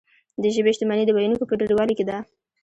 د ژبې شتمني د ویونکو په ډیروالي کې ده.